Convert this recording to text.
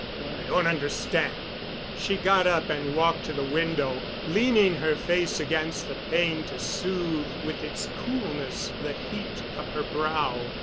"I don't understand." She got up and walked to the window, leaning her face against the pane to soothe with its coolness the heat of her brow.